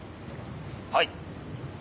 はい。